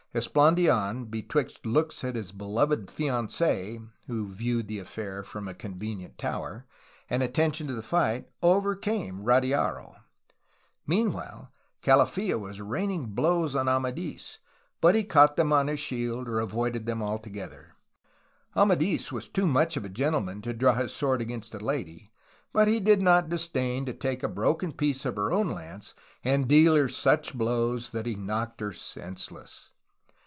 Esplandidn, be twixt looks at his beloved fiancee (who viewed the affair from a convenient tower) and attention to the fight, over 60 A HISTORY OF CALIFORNIA came Radiaro. Meanwhile, Calaffa was raining blows on Amadfs, but he caught them on his shield or avoided them altogether. Amadis was too much of a gentleman to draw his sword against a lady, but did not disdain to take a broken piece of her own lance and deal her such blows that he knocked her senseless.